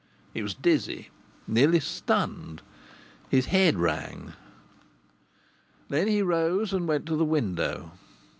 He was dizzy, nearly stunned; his head rang. Then he rose and went to the window.